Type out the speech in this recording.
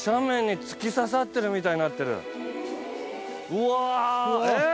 うわ！えっ！？